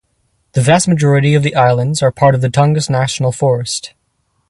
The vast majority of the islands are part of the Tongass National Forest.